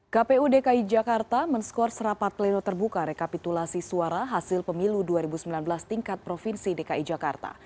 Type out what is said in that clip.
kpu dki jakarta menskors rapat pleno terbuka rekapitulasi suara hasil pemilu dua ribu sembilan belas tingkat provinsi dki jakarta